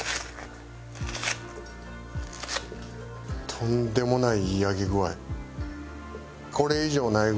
とんでもないいい揚げ具合。